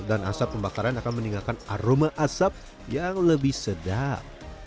dan asap pembakaran akan meninggalkan aroma asap yang lebih sedap